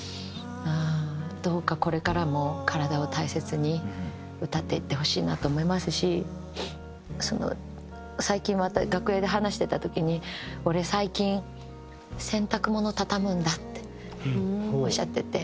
どうかこれからも体を大切に歌っていってほしいなと思いますし最近また楽屋で話してた時に「俺最近洗濯物畳むんだ」っておっしゃってて。